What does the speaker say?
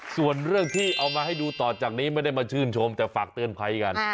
ส่วนเรื่องที่เอามาให้ดูต่อจากนี้ไม่ได้มาชื่นชมแต่ฝากเตือนภัยกัน